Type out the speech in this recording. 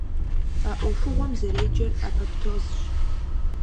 А Ӏуэхугъуэм зэреджэр апоптозщ.